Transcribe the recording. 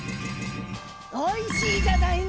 おいしいじゃないの！